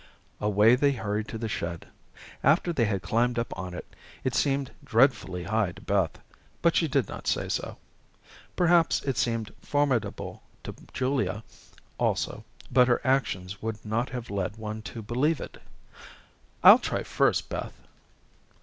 Away they hurried to the shed. After they had climbed up on it, it seemed dreadfully high to Beth, but she did not say so. Perhaps it seemed formidable to Julia, also, but her actions would not have led one to believe it. "I'll try first, Beth."